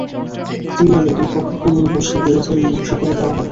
তিনি এলে দুই পক্ষকে নিয়ে বসে বিরোধের মীমাংসা করে দেওয়া হবে।